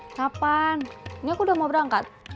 kapan ini aku udah mau berangkat